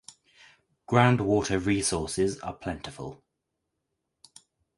Groundwater resources are plentiful.